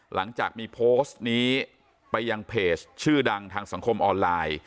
หลังจากมีโพสต์นี้ไปยังเพจชื่อดังทางสังคมออนไลน์